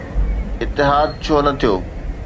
اتحاد ڇو نه ٿيو؟